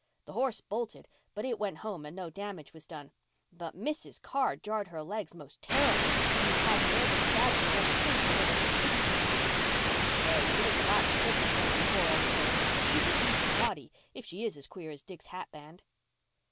The horse bolted, but it went home and no damage was done. But Mrs. Carr jarred her legs most terrible, and has had nervous spasms ever since whenever she thinks of the eel. Say, it was a rotten trick to play on the poor old soul. She's a decent body, if she is as queer as Dick's hat band."